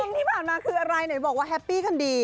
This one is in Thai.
ที่ผ่านมาคืออะไรไหนบอกว่าแฮปปี้กันดี